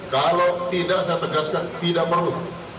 kalau tidak saya tegaskan tidak perlu